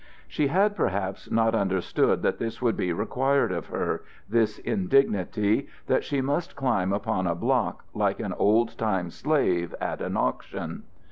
She had perhaps not understood that this would be required of her, this indignity, that she must climb upon a block like an old time slave at an auction.